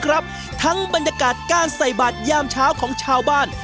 ครับทั้งบรรยากาศการใส่บัตรยามเช้าของชาวบ้าน